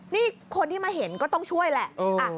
นี่คนที่มาเห็นก็ต้องช่วยแหละ